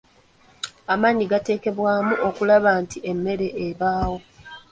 Amaanyi gateekebwamu okulaba nti emmere ebaawo.